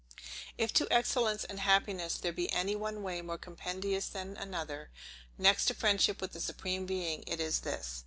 If to excellence and happiness there be any one way more compendious than another, next to friendship with the Supreme Being, it is this.